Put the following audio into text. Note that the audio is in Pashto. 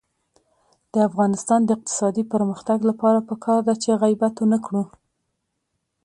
د افغانستان د اقتصادي پرمختګ لپاره پکار ده چې غیبت ونکړو.